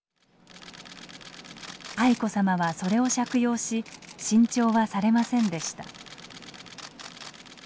愛子さまはそれを借用し新調はされませんでした。